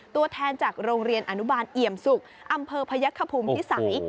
ตัวแทนจากโรงเรียนอนุบาลเอี่ยมศุกร์อำเภอพยักษภูมิพิสัย